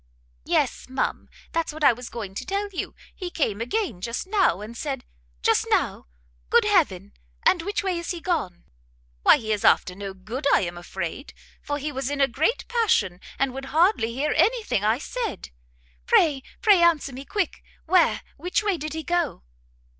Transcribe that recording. "Yes, ma'am, that's what I was going to tell you; he came again just now, and said" "Just now? good heaven! and which way is he gone?" "Why he is after no good, I am afraid, for he was in a great passion, and would hardly hear any thing I said." "Pray, pray answer me quick! where, which way did he go?"